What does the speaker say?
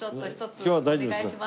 今日は大丈夫です。